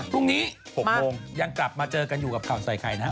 พรุ่งนี้๖โมงยังกลับมาเจอกันอยู่กับข่าวใส่ไข่นะฮะ